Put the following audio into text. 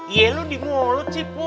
iya lo dimurut